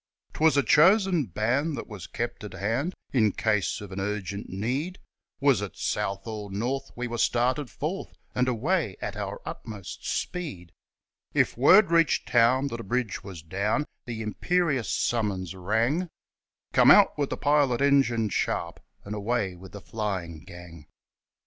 'Twas a chosen band that was kept at hand In case of an urgent need, Was it south or north we were started forth, And away at our utmost speed. If word reached town that a bridge was down, The imperious summons rang 'Come out with the pilot engine sharp, And away with the flying gang.'